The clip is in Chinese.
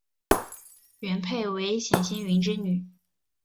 元配为冼兴云之女。